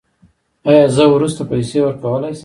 ایا زه وروسته پیسې ورکولی شم؟